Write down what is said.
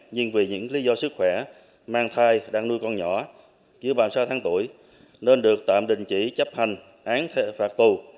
nhưng vì những lý do sức khỏe mang thai đang nuôi con nhỏ giữ bàm sáu tháng tuổi nên được tạm đình chỉ chấp hành án phạt tù